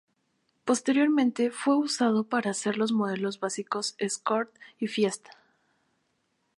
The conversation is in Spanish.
Posteriormente fue usado para hacer los modelos básicos Escort y Fiesta.